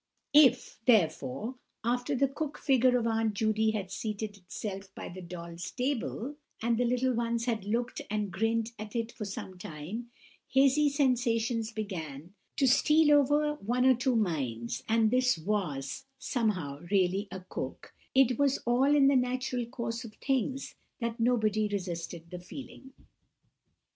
If, therefore, after the cook figure of Aunt Judy had seated itself by the doll's table, and the little ones had looked and grinned at it for some time, hazy sensations began to steal over one or two minds, that this was somehow really a cook, it was all in the natural course of things, and nobody resisted the feeling.